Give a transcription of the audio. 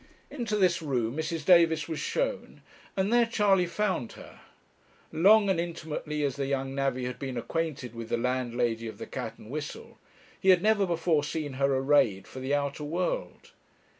Into this room Mrs. Davis was shown, and there Charley found her. Long and intimately as the young navvy had been acquainted with the landlady of the 'Cat and Whistle,' he had never before seen her arrayed for the outer world.